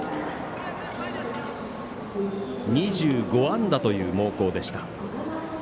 ２５安打という猛攻でした。